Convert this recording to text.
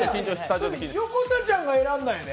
横田ちゃんが選んだんやで！